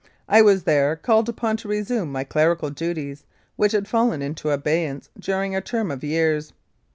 I was there called upon to resume my clerical duties, which had fallen into abeyance dur ing a term of years.